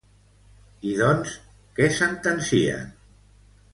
I doncs, què sentencien?